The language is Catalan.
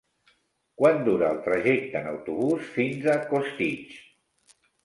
Quant dura el trajecte en autobús fins a Costitx?